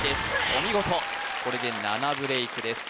お見事これで７ブレイクです